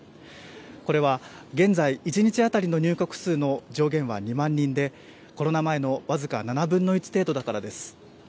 これは現在、一日当たりの入国者数の上限は２万人でコロナ前の僅か７分の１程度だからです。